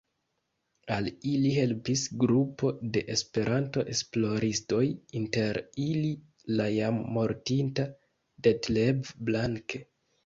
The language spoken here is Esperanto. Al ili helpis grupo de Esperanto-esploristoj, inter ili la jam mortinta Detlev Blanke.